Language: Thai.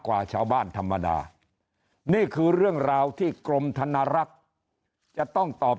กว่าชาวบ้านธรรมดานี่คือเรื่องราวที่กรมธนรักษ์จะต้องตอบ